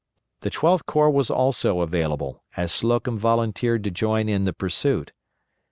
The Twelfth Corps was also available, as Slocum volunteered to join in the pursuit.